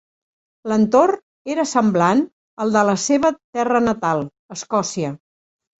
L'entorn era semblant al de la seva terra natal, Escòcia.